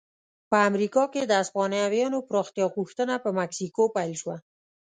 په امریکا کې د هسپانویانو پراختیا غوښتنه په مکسیکو پیل شوه.